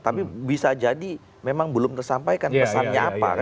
tapi bisa jadi memang belum tersampaikan pesannya apa